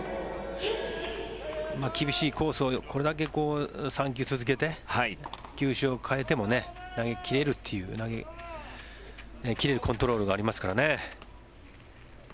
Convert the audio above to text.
厳しいコースをこれだけ３球続けて球種を変えても投げ切れるというコントロールがありますからね。